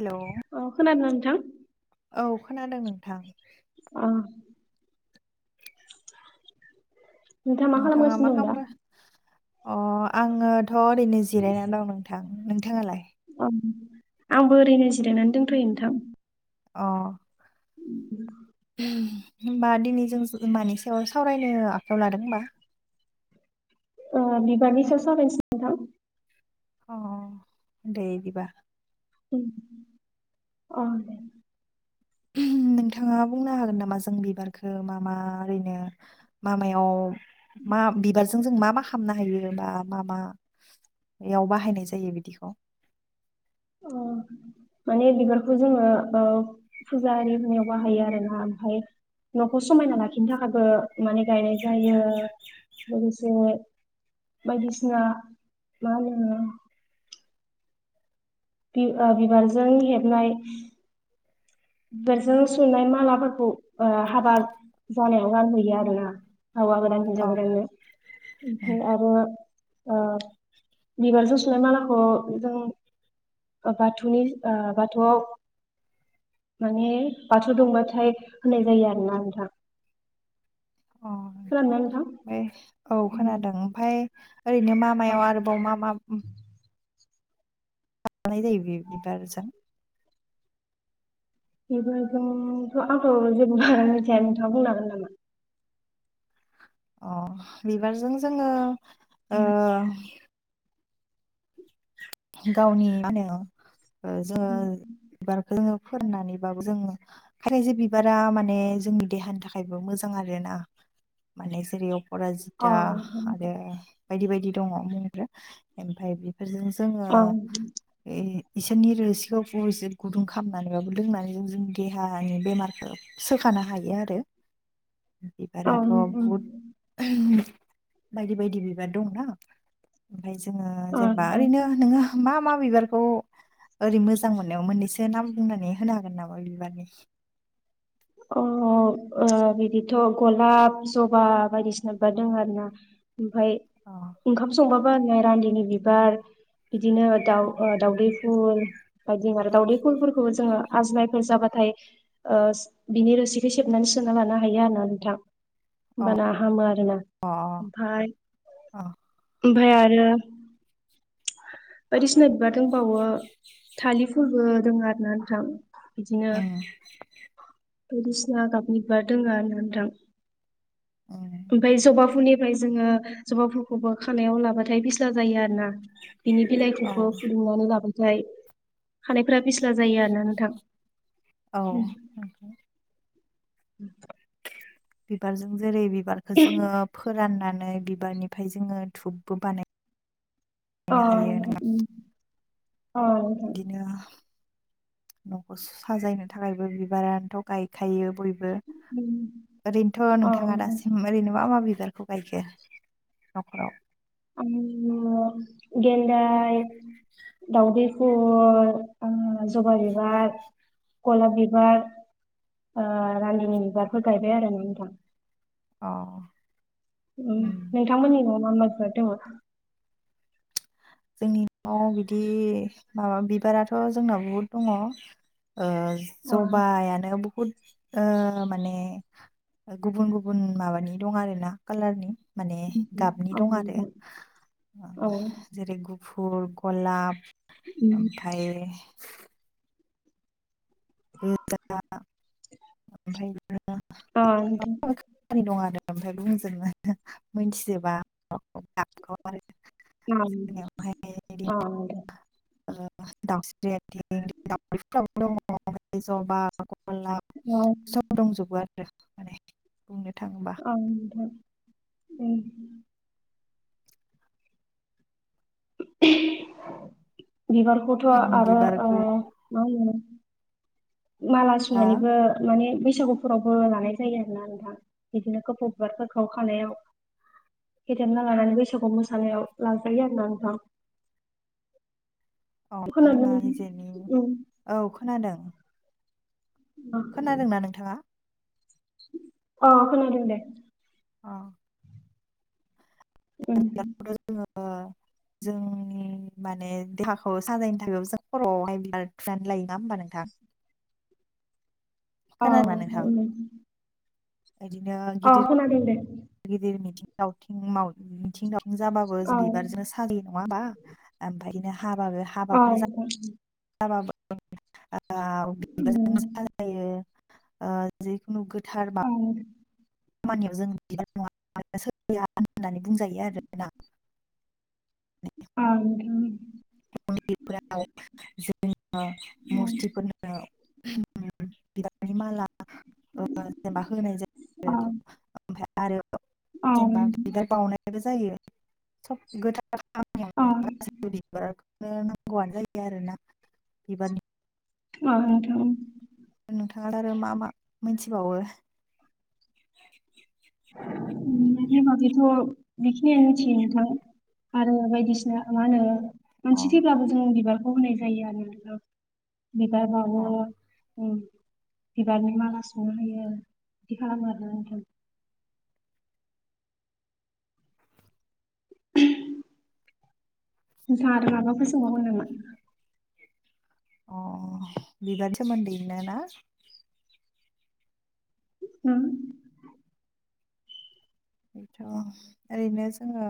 Hello अ खोनादों नोंथां औ खोनादों नोंथां। अ मा नोंथाङा मा खालामगासिनो दं दा खालामगास अ आङोथ' ओरैनो जिरायनानै दं नोंथां। नोंथाङालाय? आंबो ओरैनो जिरायनानै दोनथ'यो नोंथां। अ। [inaudible] होमबा दिनै जों मानि सायाव सावरायनो आखायाव लादों हबा ओ बिबारनि सायाव साबायनोसै नोंथां। अ दे इदिबा। उम अ दे। नोंथाङा बुंनो हागोन नामा जों बिबारखौ मा मा ओरैनो मामायाव। मा बिबारजों जों मा मा खामनो हायो बा मा मायाव बाहायनाय जायो बिदिखौ अ माने बिगारखौ जोङो ओ फुजा आरि होनायाव बाहायो आरो ना ओमफ्राय न'खौ समायना लाखिनो थाखायबो माने गायनाय जायो लोगोसे बायदिसिना मा होनो बिबारजों हेबनाय बेदेरजों सुनाय मालाफोरखौ ओ हाबा जानायाव गानबोयो आरोना हौवा गोदान अ हिनजाव गोदाननो ओमफाय आरो ओ बिबारजों सुनाय मालाखौ जों ओ बाथौनि ओ बाथौआव माने बाथौ दंबाथाय होननाय जायो आरोना नोंथां अ नोंथां ओंफाय औ खोनादों ओमफाय ओरैनो मामायाव आरोबाव मा मा बानाय जायो बि बिबारजों बेनिफायथ' आंथ' जेबो हमनो हाया मिथिया नोंथाङा बुंनो हागोन नामा अ बिबारजों जोङो गावनि मा होनो जोङो बिबारखौ जोङो फोरनानैबाबो जोङो खायसेे बिबारा माने जोंनि देहानि थाखायबो मोजां आरोना। माने जेरै अर अ जिता आरो बायदि बायदि दङ बेनिफ्राय ओमफाय बेफोरजों जोङो। अ इसोरनि रोसिखौ फसे गुदुं खालामनानैबाबो लोंनानै जों जों देहानि बेमारखौ सोखा होननो हायो आरो। [unintelligible] अ बिबाराथ' नोंथां बहुद बायदि बायदि बिबार दंनाा ओमफ्राय जोङो जेनेबा ओरैनो नोङो मा मा बिबारखौ? ओरै मोजां मोननायाव मोननैसो नाम बुंनानै होनो हागोन नामा बिबारनि? अ बिदिथ' गलाब जबा बायदिसिना दङ आरो ना। ओमफ्राय अ ओंखाम संबा माबा होन रान्दिनि बिबार बिदिनो दाउ दाउदै फुल बायदि आरो दावदै फुलफोरखौबो जोङो आजिनायफोर जाबाथाय बिनि रोसिखौ सेबनानै सोना लानो हायो आरा नोंथां। होनबाना हामो आरोना अ ओमफ्राय अ ओमफ्राय आरो बायदिसिना बिबार दंबावो थालिर फुलबो दोङ आरो ना नोंथां। बिदिनो उम बायदिसिना गाबनि बिबार दोङो आरोना नोंथां। उम ओमफ्राय जबा फुलनि फ्राय जोङो जबाफोरखौबो खानायाव लाबाथाय बिस्ला जायो आरो ना बिनि अ बिलाइखौबो फुदुंनानै लाबायथाय खानायफोरा बिस्ला जायो आरोना नोंथां औ उम। [inaudible] बिबारजों जेरै बिबारखौ जोङो फोराननानै बिबारनिफ्राय जोङो धुपबो बानायो अ ओम बिदिनो औ न'खौ साजायनो थाखायबो बिबारानोथ' गायखायो बयबो उम ओरैनोथ' अ नोंथाङा नोंथां दासिम ओरैनो मा मा बि बिबारखौ गायखो न'खराव आं गेन्दाय दाउदै फुल ओं जबा बिबार गलाब बिबार रानिनि बिबारफोर गायबाय आरो ना नोंथां अ उ उम नोंथांमोननि न'आव मा मा बिबार दङ जोंनि न'आव बिदि माबा बिबाराथ' जोंनाव बहुद दङ ओ अ औ जबायानो बहुद ओ माने गुबुन गुबुन माबानि दं आरो ना कालारनि माने गाबनि दं आरो नोंथां औ उम जेरै गुफुर गलाब ओमफ्राय गोजा ओमफ्राय औ‌ नोंथां खालारनि दं ओमफ्राय बुंजोब मिथिजोबा गाबखौ‌ आरो [unintelligible] अ दे दाउस्रिं आथिं दाउैफोराबो दङ जबा [unintelligible] गलाब अ सोब दंजोबो आरो माने बुंनो थाङोबा ओं नोंथां उम बिबारखौथ' आरो ओ बिबारखौ बावो माला हा सुनानैबो माने बे बैसागुफोरावबो लानाय जायो आरोना नोंथां बिदिनो खफौ बिबारफोरखौ खानायाव फेदेरना लानानै बैसागु मोसानायाव लाजायो आरोना नोंथां औ जोंङो खोनादों निजेनि उम औ खोनादों खोनादोंना नोंथांङा अ खोनादों दे अ उम ओ जोंनि माने देहाखौ साजायनो थाखायबो जों खर'आवहाय बिबार थुनानै लायो नंङा होमबा नोंथां औ नोंथां नंगौ बिदिनो अ गिदिर खोनादों दे गिदिर मिथिं दावथिं याव मिथिं दाव जाबाबो औ बिबारजों साजायो नंङा होमबा ओमफ्रायनो हाबाबो औ हाबाफोर जाबा नोंथां [unintelligible] खुनु गोथार मा खामानियाव जों बिबार नंङाब्लानो सोलिया होननानै बुंजायो आरोना [unintelligible] मन्दिरफोराव जों उम मुरथिफोरनो बिबारनि माला ओ जेनेबा होनाय औ नोंथां औ जायो। ओमफ्राय आरो औ जेनेबा नोंथां बिबार बावउनायबो जायो। सब गोथार [unintelligible] नो नांगौआनो जायो आरोना बिबारनि औ नोंथां। नोंथाङा आरो मा मा मिन्थिबावो? [inaudible] बिबारनि बागैथ' बेखिनियानो मिथियो नोंथां। आरो बायदिसिना मा होनो अ मानसि थेब्लाबो जों बिबारखौ होनाय जायो आरो नोंथा। बिबार बावो। अ उम बिबारनि माला सुनो होयो बिदि खालामो आरो नोंथां। [unintelligible] नोंथांङा आरो माबाफोर सोंबावगोन नामा? अ' बिबारनि सोमोन्दैनो ना? उम। बेथ' ओरैनो जोंङो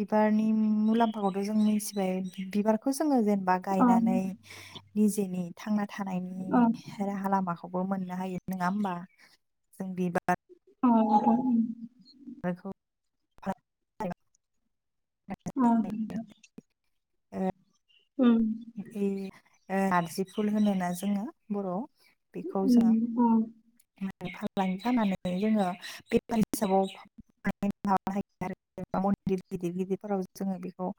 बिबारनि मुलाम्फाखौथ' जों मिथिबाय बिबारखौ जोंङो जेने बा अ गायनानै निजेनि थांना थानायनि अ राहा लामाखौ बो मोननो हायो नंङा होमबा? जों बिबार अ नंगौ उम। [unintelligible] औ नोंथां। ए। उम। बे नारजि फुल होनोना जोंङो बर'आव बेखौ जोङो उम औ। फालांगि फाननानै जोंङो बेफारि हिसाबाव माबानो हायो आरो। मन्दिर गिदिर गिदिरफोराव जोंङो बेखौ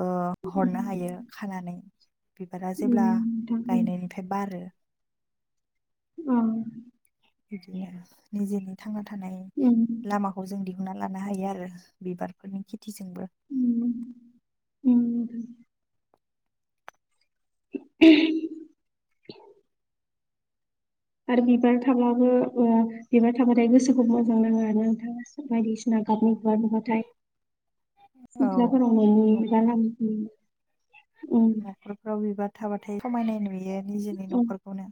ओ हरनो हायो खानानै। बिबारा उम जेब्ला नोंथां उम गायनायनिफ्राय बारो। उम। बिदिनो निजेनि थांना थानाय उम लामाखौ जों दि हुनना लानो हायो आरो बिबारफोरनि खेथिजोंबो। उम उम नोंथां ओहम आरो बिबार थाबलाबो ओ बिबार थाबाथाय गोसोखौ मोजां नाङो आरो ना नोंथां। बायदिसिना गाबनि बा नुबाथाय औ सिख्लाफोरा माने बिबार बागानथिं न'खरफ्राव बिबार थाबाथाय समायनाय नुयो निजेनि ओम न'खरखौनो।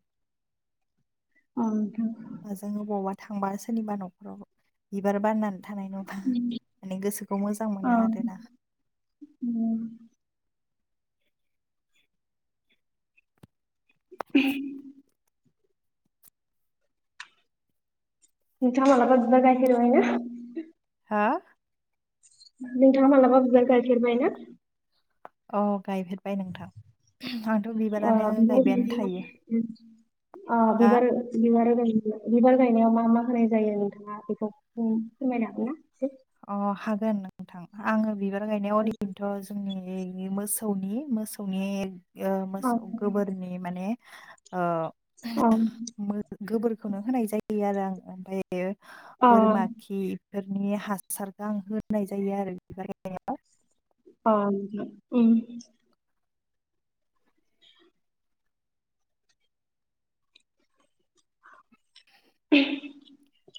अ नोंथां। बा जों अबावबा थांबा सोरनिबा न'खराव बिबार बारनानै थानाय नुबा माने गोसोखौ मोजां अ मोनो आरोना। ओहम नोंथाङा मालाबा बिबार गायफेरबाय ना? आ नोंथाङा मालाबा बिबार गायफेरबाय ना? औ गायफेरबाय नोंथां। आंथ' अ बिबारानो बिबार गायबायानो गायनायाव थायो। अ' हा बिबार बिबार गायन बिबार गायनायाव मा मा होनाय जायो नोंथाङा बेखौ फोरमायनो हागोन ना एसे? अ' हागोन नोंथां। आङो बिबार गायनायाव ओरैनोथ' जोंनि बिनि मोसौनि मोसौनि ओ अ मोसौ गोबोरनि माने ओ अ गोबोरखौनो होनाय जायो आरो आं ओमफ्रा यो बोरमा नोंथां खिफोरनि हासार हासारखौ आं होनाय जायो आरो बिबार गायनायाव अ नोंथां उम ओहम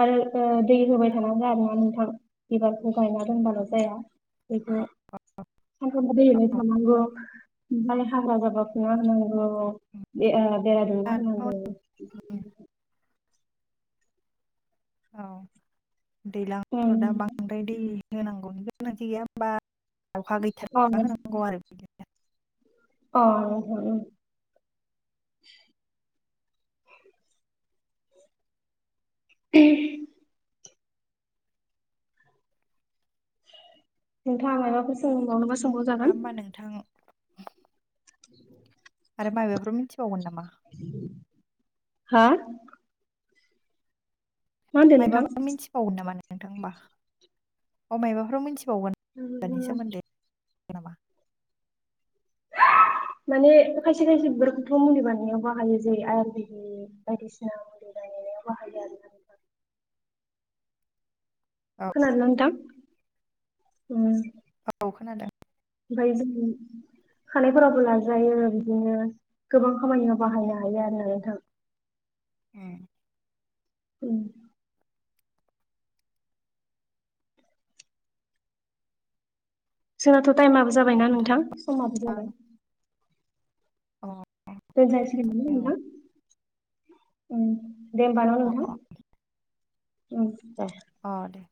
आरो ओ दै होबाय थानांगो आरोना नोंथां बिबारखौ गायना दोनबाल' जाया। बेखौ सानफ्रोमबो दै होबाय थानांगौ ओमफ्राय हाग्रा जाबा फुना होनांगौ बे ओ बेरा दुमना होनांगौ औ दैलांफ्राव ओं दा बांद्राय दै होनांगौनि गोनांथि गैया होमबा अखा औ गैथाराबा होनांगौ आरो अ उम उम ओहम नोंथाङा मायाबाफोर सोंबावनोबा दा सोंबावजागोन होमबा नोंथां [inaudible] आरो मायबाफोर मिथिबावगोन नामा? हा मा होनदों नोंथां मायबाफोर मिनथिबावगोन नामा नोंथां होमबा औ मायबाफोर मिनथि बावगोन बनि सोमोन्दै नामा [unintelligible] माने खायसे खायसे बिबारखौथ' मुलि बानायनायाव बाहायो जेरै आयुरवेदिक बायदिसिना मुलि बानायनाय गायनायाव बाहायो आरो ना नोंथां। औ खोनादोंना नोंथां उम औ खोनादों ओमफाय जोङो खानायफोरावबो लाजायो बिदिनो गोबां खामानियाव बाहायनो हायो आरोना नोंथां। उम उम जोंनाथ' टाइमाबो जाबायना नोंथां समाबो औ जाबाय। अ दोनजासिगोन नामा नोंथां उम दे होमबा न नोंथां। अ दे